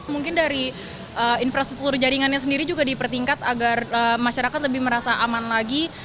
mungkin dari infrastruktur jaringannya sendiri juga dipertingkat agar masyarakat lebih merasa aman lagi